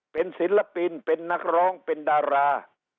เป็นศิลปินเป็นนักร้องเป็นดารา